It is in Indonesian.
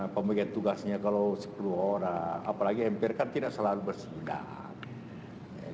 pemegang tugasnya kalau sepuluh orang apalagi mpr kan tidak selalu bersidang